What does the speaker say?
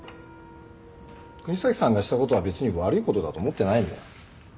國東さんがしたことは別に悪いことだと思ってないんだよ。